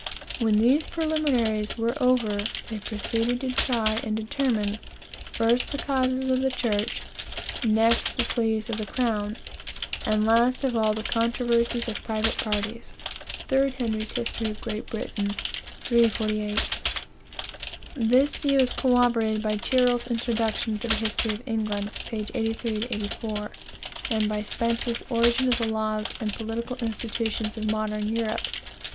When these preliminaries were over, they proceede to try and determine, first the causes of the church, next the pleas of the crown, and last of all the controversies of private parties." 8 Henry's History of Great Britain, 348. This view is corroborated by Tyrrell's Introduction to the History of England; p. 83 84, and by Spence's Origin of the Laws and Political Institutions of Modern Europe, p.